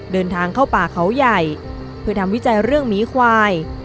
เดินทางเข้าป่าเขาใหญ่เพื่อทำวิจัยเรื่องหมีควาย